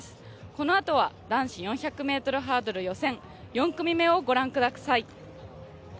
このあとは男子４００ｍハードル予選、４組目をご覧ください。